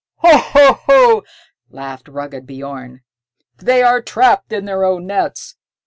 "Ho, ho!" laughed rugged Bjorn, "they are trapped in their own nets."